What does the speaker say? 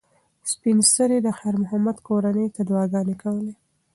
سپین سرې د خیر محمد کورنۍ ته دعاګانې کولې.